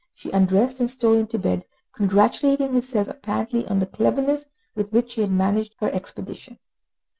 She undressed and stole into bed, congratulating herself apparently on the cleverness with which she had managed her expedition.